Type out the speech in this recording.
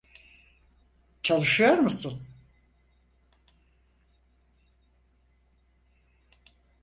Çalışıyor musun?